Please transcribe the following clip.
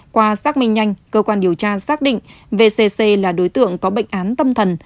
qua xác minh nhanh cơ quan điều tra xác định vcc là đối tượng có bệnh án tâm thần